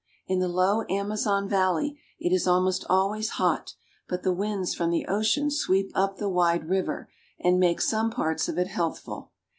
In the low Amazon valley it is almost always hot, but the winds from the ocean sweep up the wide river and make some parts of it healthful.